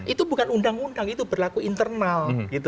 itu bukan undang undang itu berlaku internal